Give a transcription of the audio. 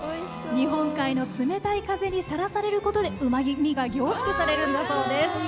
日本海の冷たい風にさらされることでうまみが凝縮されるんだそうです。